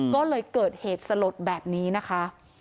ก็เลยเกิดเหตุสลดแบบนี้นะคะ